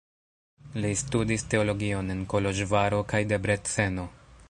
Li studis teologion en Koloĵvaro kaj Debreceno.